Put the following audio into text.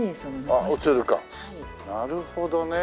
なるほどね。